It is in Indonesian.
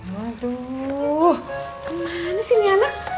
waduh kemana sini anak